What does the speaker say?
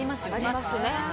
ありますね。